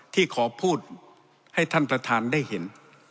ที่ขอพูดให้ท่านประธานได้เห็น